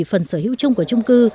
phần sở hữu chung của chung cư